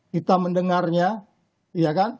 kita mendengarnya ya kan